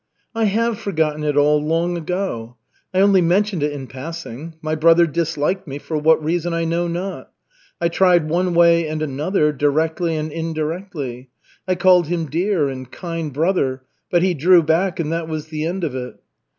"I have forgotten it all long ago. I only mentioned it in passing. My brother disliked me, for what reason, I know not. I tried one way and another, directly and indirectly. I called him 'dear' and 'kind brother,' but he drew back and that was the end of it."